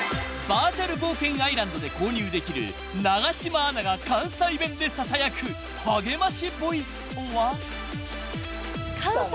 ［バーチャル冒険アイランドで購入できる永島アナが関西弁でささやく励ましボイスとは？］